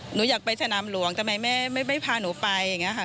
หนูอยากไปสนามหลวงทำไมไม่พาหนูไปอย่างนี้ค่ะ